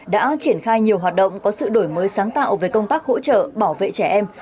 đã triển khai nhiều hoạt động có sự đổi mới sáng tạo về công tác hỗ trợ bảo vệ trẻ em